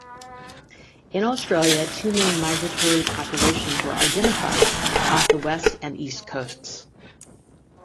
In Australia, two main migratory populations were identified, off the west and east coasts.